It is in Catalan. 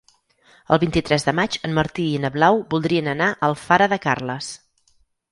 El vint-i-tres de maig en Martí i na Blau voldrien anar a Alfara de Carles.